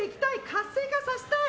活性化させたい！